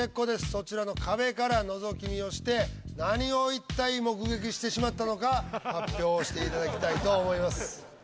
そちらの壁からのぞき見をして何を一体目撃してしまったのか発表していただきたいと思います。